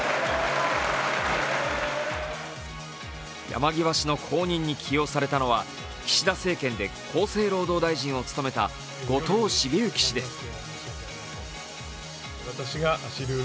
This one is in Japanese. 山際氏の後任に起用されたのは岸田政権で厚生労働大臣を務めた後藤茂之氏です。